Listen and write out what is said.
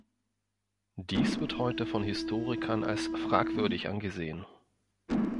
Dies wird heute von Historikern als fragwürdig angesehen.